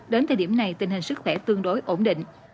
đến thời điểm này tình hình sức khỏe tương đối ổn định